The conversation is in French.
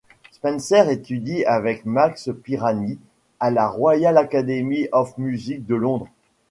Spencer étudie avec Max Pirani à la Royal Academy of Music de Londres.